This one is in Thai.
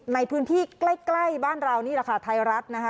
ในพื้นที่ใกล้บ้านเรานี่แหละค่ะไทยรัฐนะคะ